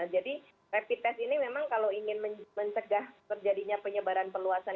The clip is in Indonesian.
jadi rapid test ini memang kalau ingin mencegah perjadinya penyebaran perluasan